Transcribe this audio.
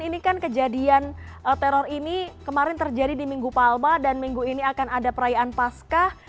ini kan kejadian teror ini kemarin terjadi di minggu palma dan minggu ini akan ada perayaan paskah